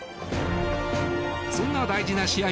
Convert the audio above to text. そんな大事な試合